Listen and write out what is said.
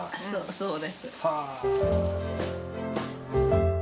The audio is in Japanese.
そうです。は。